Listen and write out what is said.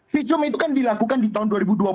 visum itu kan dilakukan di tahun dua ribu dua puluh